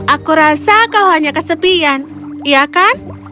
aku rasa kau hanya kesepian ya kan